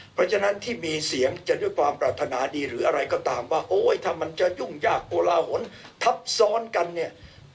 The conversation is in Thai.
เพราะฉะนั้นที่มีเสียงจะด้วยความปรารถนาดีหรืออะไรก็ตามว่าโอ๊ยถ้ามันจะยุ่งยากโกลาหลทับซ้อนกันเนี่ย